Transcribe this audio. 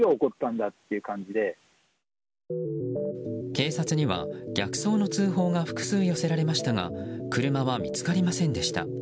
警察には、逆走の通報が複数寄せられましたが車は見つかりませんでした。